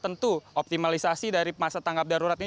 tentu optimalisasi dari masa tanggal ini